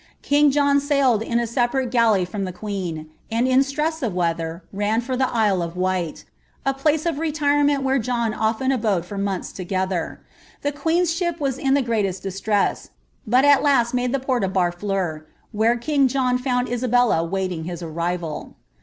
Ring John sailed in a separata gaUry tnm dR queen, and in stress of weather ran for the Isle of Wight, a pUee of i^ tireraeut where John often abode for months togetlier. The <tOMrfl ship was m the greatest distress, but at last made the port of Btttimi where king John Ibund Isabella waiting his arrival.